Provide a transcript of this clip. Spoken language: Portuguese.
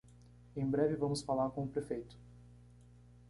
Em breve vamos falar com o prefeito.